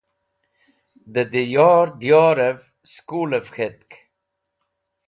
Dẽ diyor diyorẽv skulẽv k̃hetk.